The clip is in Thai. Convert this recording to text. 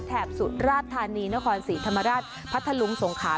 สุราชธานีนครศรีธรรมราชพัทธลุงสงขา